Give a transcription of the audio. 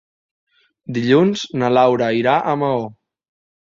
Dilluns na Laura irà a Maó.